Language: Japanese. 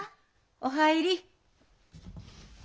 お入り。